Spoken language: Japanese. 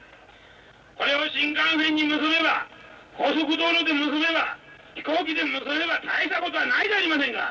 それを新幹線で結べば高速道路で結べば飛行機で結べば大したことはないじゃありませんか！